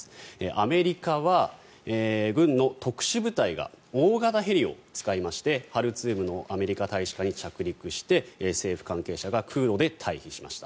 アメリカは軍の特殊部隊が大型ヘリを使いましてハルツームのアメリカ大使館に着陸して政府関係者が空路で退避しました。